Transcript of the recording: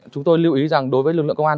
chúng tôi lưu ý rằng đối với lực lượng công an